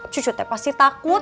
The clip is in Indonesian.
cucu teh pasti takut